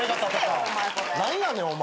何やねんお前。